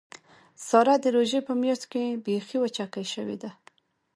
ساره د روژې په میاشت کې بیخي وچکۍ شوې ده.